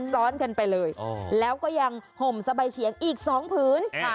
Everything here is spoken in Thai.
ซ้อนขึ้นไปเลยแล้วก็ยังห่มสะใบเฉียงอีกสองผืน